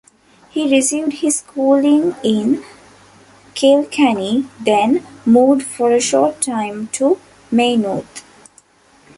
He received his schooling in Kilkenny, then moved for a short time to Maynooth.